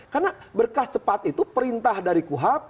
karena berkas cepat itu perintah dari kuhap